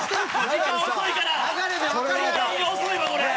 時間が遅いわこれ！